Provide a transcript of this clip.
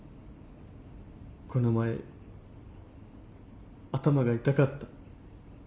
この前頭が痛かった。